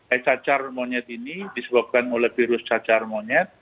eh cacar monyet ini disebabkan oleh virus cacar monyet